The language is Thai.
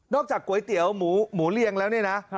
จากก๋วยเตี๋ยวหมูเรียงแล้วเนี่ยนะ